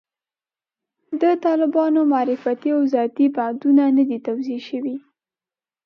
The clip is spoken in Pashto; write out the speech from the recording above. د طالبانو معرفتي او ذاتي بعدونه نه دي توضیح شوي.